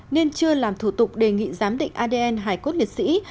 nên chưa làm thủ tục đề nghị giám định adn hải cốt liệt sĩ